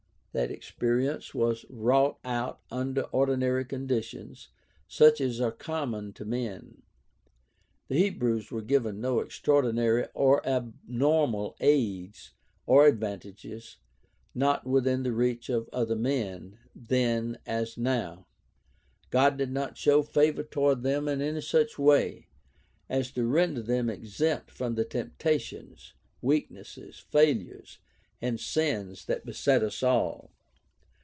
That experience was wrought out under ordinary conditions, such as are common to men. The Hebrews were given no extraordinary or abnormal aids or advantages not within the reach of other men, then as now. God did not show favor toward them in any such way as to render them exempt from the temptations, weaknesses, fail ures, and sins that beset us all.